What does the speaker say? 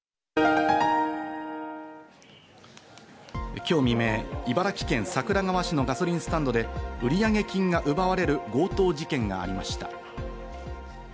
今日未明、茨城県桜川市のガソリンスタンドで売上金が奪われる強盗事件がありました。